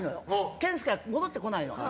健介が戻ってこないの。